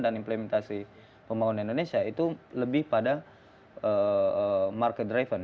dan implementasi pembangunan indonesia itu lebih pada market driven